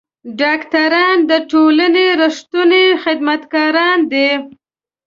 ډاکټران د ټولنې رښتوني خدمتګاران دي.